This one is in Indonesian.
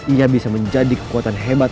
ia bisa menjadi kekuatan hebat